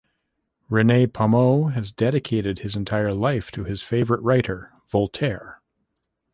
René Pomeau has dedicated his entire life to his favorite writer, Voltaire.